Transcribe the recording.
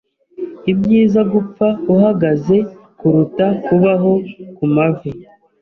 Ibyiza gupfa uhagaze kuruta kubaho kumavi.